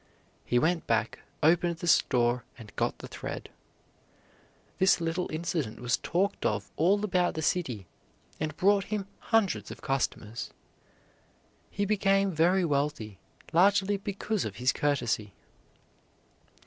He went back, opened the store, and got the thread. This little incident was talked of all about the city and brought him hundreds of customers. He became very wealthy, largely because of his courtesy.